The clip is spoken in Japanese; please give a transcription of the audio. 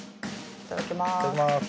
いただきます。